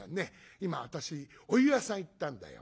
今私お湯屋さん行ったんだよ。